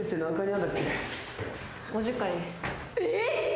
えっ！？